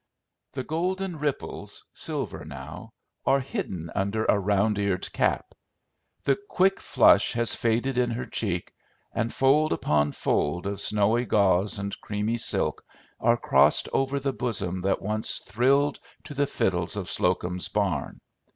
The golden ripples, silver now, are hidden under a "round eared cap;" the quick flush has faded in her cheek, and fold upon fold of snowy gauze and creamy silk are crossed over the bosom that once thrilled to the fiddles of Slocum's barn.